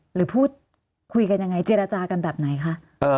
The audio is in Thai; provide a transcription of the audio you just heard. หรือพูดคุยกันยังไงเจรจากันแบบไหนคะ